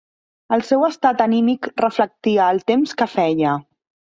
El seu estat anímic reflectia el temps que feia.